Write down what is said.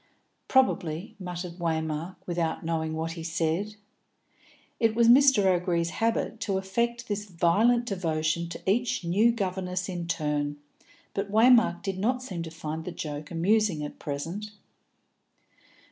"Probably," muttered Waymark, without knowing what he said. It was Mr. O'Gree's habit to affect this violent devotion to each new governess in turn, but Waymark did not seem to find the joke amusing at present.